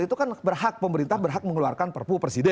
itu kan berhak pemerintah berhak mengeluarkan perpu presiden